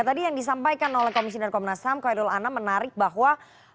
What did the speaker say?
tadi yang disampaikan oleh komisiner komnas ham koy rul ana menarik bahwa